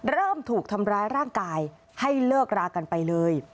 เริ่มถูกทำร้ายร่างกายให้เลิกรากันไปเลย